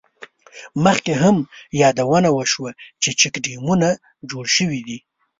مخکې هم یادونه وشوه، چې چیک ډیمونه جوړ شوي دي.